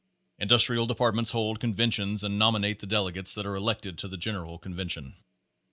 Industrial Departments hold conventions and nom inate the delegates that are elected to the general con vention.